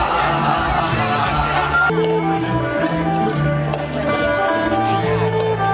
สวัสดีครับ